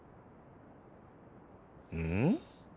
うん？